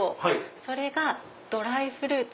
それがドライフルーツ。